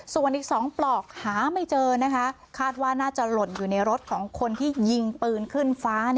ส่วนอีก๒ปลอกหาไม่เจอนะคะคาดว่าน่าจะหล่นอยู่ในรถของคนที่ยิงปืนขึ้นฟ้า